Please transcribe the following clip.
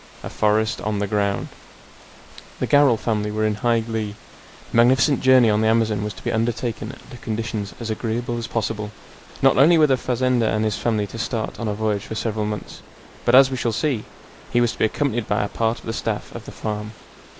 A FOREST ON THE GROUND The Garral family were in high glee. The magnificent journey on the Amazon was to be undertaken under conditions as agreeable as possible. Not only were the fazender and his family to start on a voyage for several months, but, as we shall see, he was to be accompanied by a part of the staff of the farm.